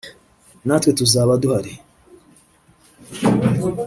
natwe tuzaba duhari